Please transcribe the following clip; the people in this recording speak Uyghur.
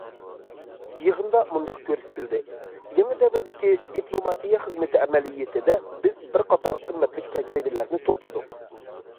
يىغىندا مۇنداق كۆرسىتىلدى: يېڭى دەۋردىكى دىپلوماتىيە خىزمىتى ئەمەلىيىتىدە، بىز بىر قاتار قىممەتلىك تەجرىبىلەرنى توپلىدۇق.